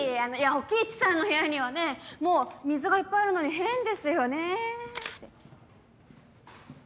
火鬼壱さんの部屋にはねもう水がいっぱいあるのに変ですよねぇ。